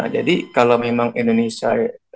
jadi kalau memang indonesia